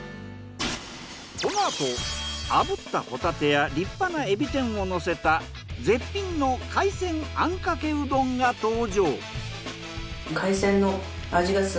このあと炙ったホタテや立派なエビ天をのせた絶品の海鮮あんかけうどんが登場。